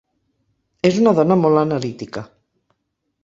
És una dona molt analítica.